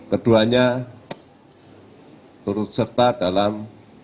keduanya turut serta dalam